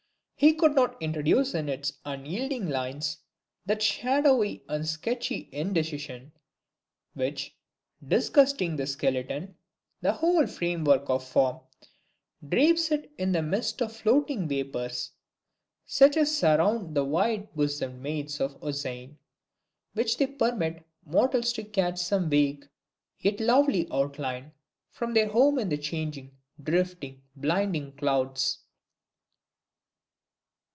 He could not introduce in its unyielding lines that shadowy and sketchy indecision, which, disguising the skeleton, the whole frame work of form, drapes it in the mist of floating vapors, such as surround the white bosomed maids of Ossian, when they permit mortals to catch some vague, yet lovely outline, from their home in the changing, drifting, blinding clouds.